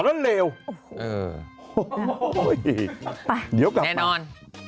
แน่นอน